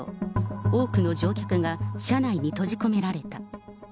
多くの乗客が車内に閉じ込められた。